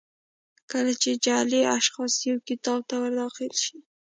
کله چې جعلي اشخاص یو کتاب ته ور داخل شي.